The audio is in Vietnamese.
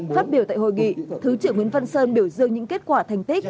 phát biểu tại hội nghị thứ trưởng nguyễn văn sơn biểu dương những kết quả thành tích